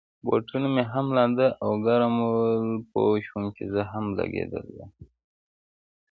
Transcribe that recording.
بوټونه مې هم لانده او ګرم ول، پوه شوم چي زه هم لګېدلی یم.